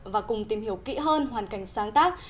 và cùng tìm hiểu kỹ hơn hoàn cảnh sáng tác